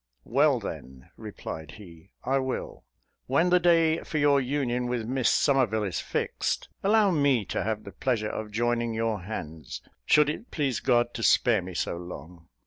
"Well, then," replied he, "I will: when the day for your union with Miss Somerville is fixed, allow me to have the pleasure of joining your hands, should it please God to spare me so long.